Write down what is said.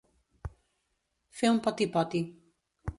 Fer un poti-poti.